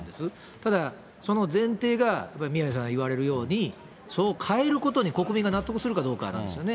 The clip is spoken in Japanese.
ただ、その前提が、やっぱり宮根さんが言われるように、そう変えることに国民が納得するかどうかなんですよね。